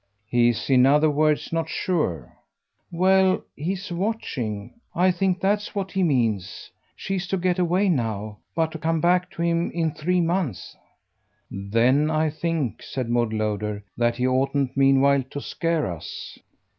"He's in other words not sure?" "Well, he's watching. I think that's what he means. She's to get away now, but to come back to him in three months." "Then I think," said Maud Lowder, "that he oughtn't meanwhile to scare us."